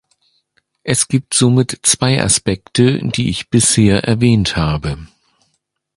Es gibt somit zwei Aspekte, die ich bisher erwähnt habe.